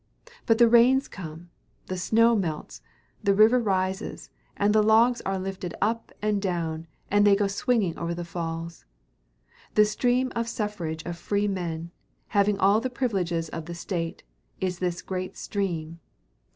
But the rains come, the snows melt, the river rises, and the logs are lifted up and down, and they go swinging over the falls. The stream of suffrage of free men, having all the privileges of the State, is this great stream.